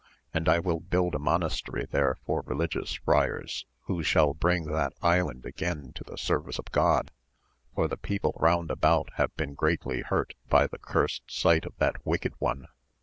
And I will build a monastery there for religious friars, who shall bring that island again to the service of God, for the people round about have been greatly hurt by the cursed sight of that wicked one.